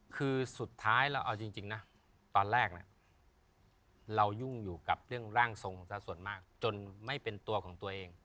คือสุดท้ายเราเอาจริงนะตอนแรกเรายุ่งอยู่กับเรื่องร่างทรงสักส่วนมากจนไม่เป็นตัวของตัวเอง